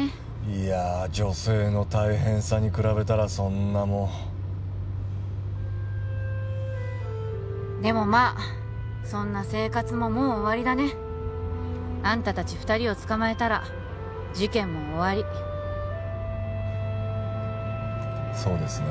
いや女性の大変さに比べたらそんなもうでもまあそんな生活ももう終わりだねあんた達二人を捕まえたら事件も終わりそうですね